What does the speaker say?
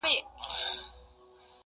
يو څو د ميني افسانې لوستې،